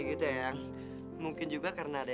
michael untuk cari angela